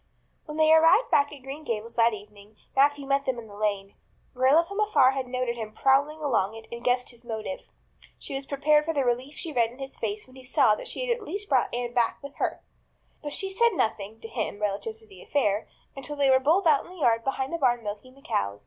When they arrived back at Green Gables that evening Matthew met them in the lane. Marilla from afar had noted him prowling along it and guessed his motive. She was prepared for the relief she read in his face when he saw that she had at least brought back Anne back with her. But she said nothing, to him, relative to the affair, until they were both out in the yard behind the barn milking the cows.